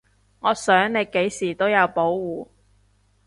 我想你幾時都有保護